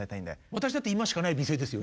私だって今しかない美声ですよ。